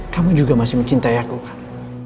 kamu juga masih mencintai aku kan